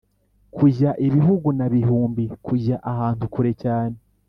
kujya ibihugu na bihumbi: kujya ahantu kure cyane